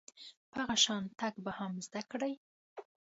په هغه شان تګ به هم زده کړئ .